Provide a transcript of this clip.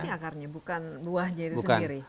ini akarnya bukan buahnya itu sendiri